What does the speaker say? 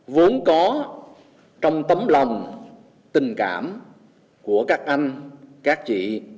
vốn có trong tấm lòng tình cảm của các anh các chị